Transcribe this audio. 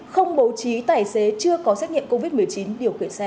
không bầu trí tài xế chưa có xét nghiệm covid